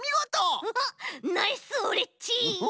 ナイスオレっち。